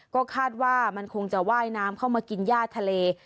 ก็คาดว่ามันคงจะว่ายน้ำเข้ามากินย่าทะเล